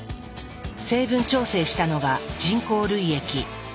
成分調整したのが人工涙液「血清点眼」。